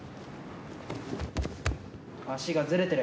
足がずれてる。